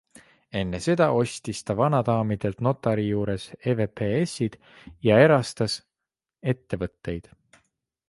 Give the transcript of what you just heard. Enne seda ostis ta vanadaamidelt notari juures EVPsid ja erastas ettevõtteid.